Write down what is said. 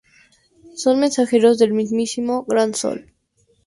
Son mensajeros del mismísimo "Gran Sol".